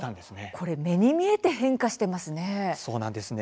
これ、目に見えて変化していますね。